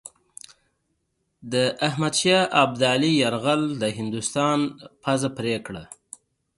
د احمدشاه ابدالي یرغل د هندوستان پزه پرې کړه.